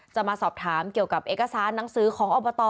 จะมาสอบถามเกี่ยวกับเอกสารหนังสือของอบต